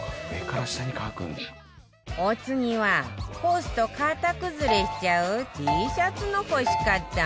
お次は干すと型崩れしちゃう Ｔ シャツの干し方